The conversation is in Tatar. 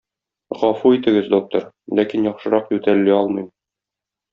Гафу итегез, доктор, ләкин яхшырак ютәлли алмыйм.